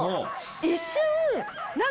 一瞬。